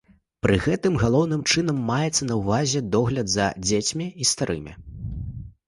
Пры гэтым галоўным чынам маецца на ўвазе догляд за дзецьмі і старымі.